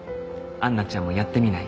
杏奈ちゃんもやってみない？